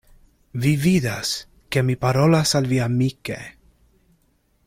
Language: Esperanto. Vi vidas, ke mi parolas al vi amike.